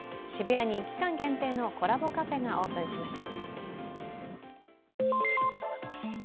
渋谷に期間限定のコラボカフェがオープンしました。